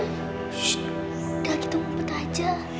sudah kita ngumpet aja